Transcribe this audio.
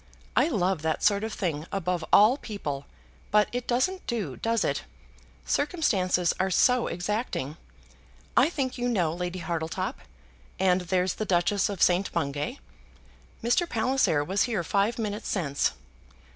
I love that sort of thing, above all people; but it doesn't do; does it? Circumstances are so exacting. I think you know Lady Hartletop; and there's the Duchess of St. Bungay. Mr. Palliser was here five minutes since."